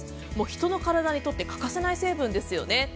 人の体にとって欠かせない成分ですよね。